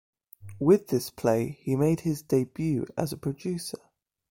With this play, he made his debut as a producer.